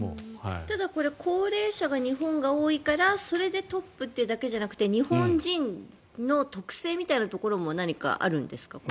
ただ、これ高齢者が日本が多いからそれでトップというだけじゃなくて日本人の特性みたいなところも何かあるんですか。